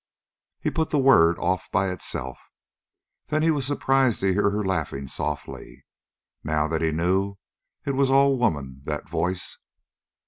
He put the word off by itself. Then he was surprised to hear her laughing softly. Now that he knew, it was all woman, that voice.